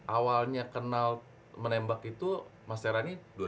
awalnya kenal menembak itu mas serrani dua ribu empat belas